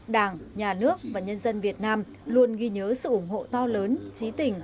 đảng nhà nước và nhân dân việt nam luôn ghi nhớ sự ủng hộ to lớn trí tình